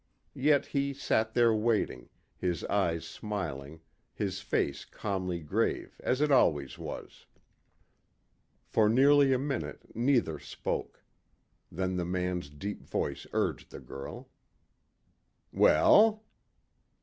Yet he sat there waiting, his eyes smiling, his face calmly grave as it always was. For nearly a minute neither spoke. Then the man's deep voice urged the girl. "Well?"